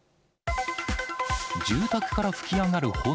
住宅から噴き上がる炎。